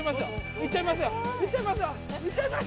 いっちゃいます！